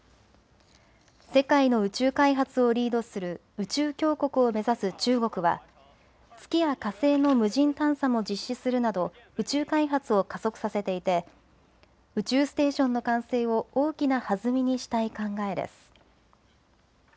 世界の宇宙開発をリードする宇宙強国を目指す中国は月や火星の無人探査も実施するなど宇宙開発を加速させていて宇宙ステーションの完成を大きな弾みにしたい考えです。